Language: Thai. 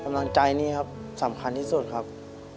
กำลังใจนี่ครับสำคัญที่สุดครับ